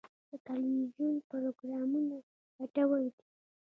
د تلویزیون پروګرامونه ګټور دي.